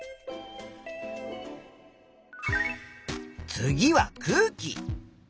次は空気。